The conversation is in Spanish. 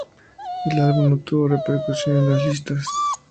El álbum no tuvo repercusión en las listas.